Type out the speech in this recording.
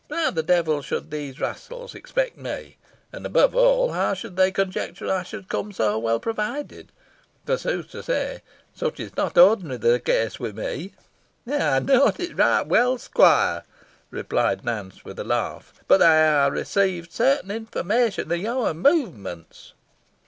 But how the devil should these rascals expect me? And, above all, how should they conjecture I should come so well provided? For, sooth to say, such is not ordinarily the case with me." "Ey knoa it weel, squoire," replied Nance, with a laugh; boh they ha received sartin information o' your movements."